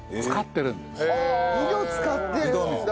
井戸使ってるんだ。